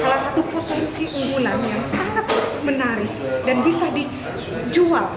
salah satu potensi unggulan yang sangat menarik dan bisa dijual